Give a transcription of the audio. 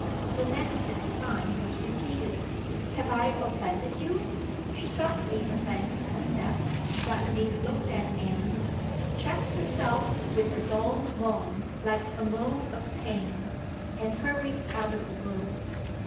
The negative sign was repeated. "Have I offended you?" She suddenly advanced a step, suddenly looked at Anne; checked herself with a dull moan, like a moan of pain; and hurried out of the room.